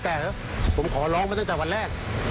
แต่ผมขอร้องมาตั้งแต่วันแรก